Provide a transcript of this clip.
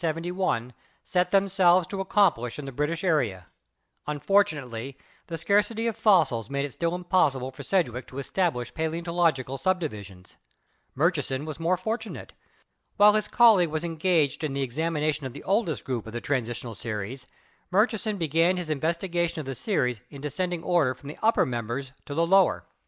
Unfortunately the scarcity of fossils made it still impossible for Sedgwick the scarcity of fossils made it still impossible for Sedgwick to establish paleontological subdivisions. Murchison was more fortunate. While his colleague was engaged in the examination of the oldest group of the Transitional series Murchison began his investigation of the series in de scending order from the upper members to the lower.